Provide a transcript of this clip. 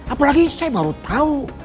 apalagi saya baru tahu